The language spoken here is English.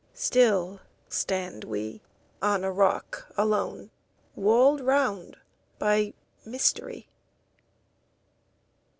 Still stand we on a rock alone, Walled round by mystery.